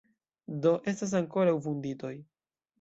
Do, estas ankoraŭ vunditoj.